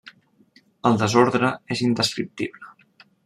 El desordre és indescriptible.